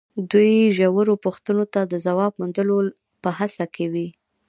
دوی ژورو پوښتنو ته د ځواب موندلو په هڅه کې وي.